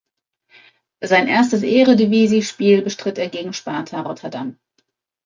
Sein erstes Eredivisie-Spiel bestritt er gegen Sparta Rotterdam.